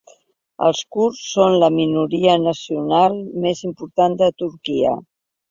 Els kurds són la minoria nacional més important de Turquia.